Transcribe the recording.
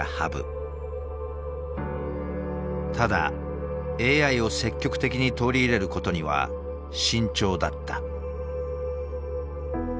ただＡＩを積極的に取り入れることには慎重だった。